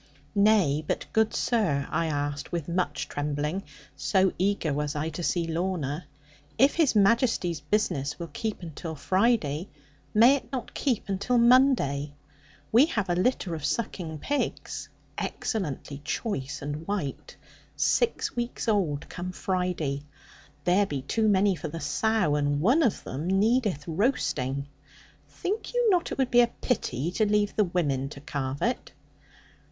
'Nay, but good sir,' I asked with some trembling, so eager was I to see Lorna; 'if His Majesty's business will keep till Friday, may it not keep until Monday? We have a litter of sucking pigs, excellently choice and white, six weeks old, come Friday. There be too many for the sow, and one of them needeth roasting. Think you not it would be a pity to leave the women to carve it?'